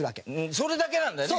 それだけなんだよね